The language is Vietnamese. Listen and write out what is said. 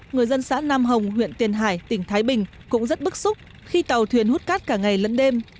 người dân xã nam hồng huyện tiền hải tỉnh thái bình cũng rất bức xúc khi tàu thuyền hút cát cả ngày lẫn đêm